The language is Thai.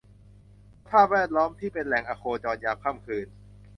สภาพแวดล้อมที่เป็นแหล่งอโคจรยามค่ำคืน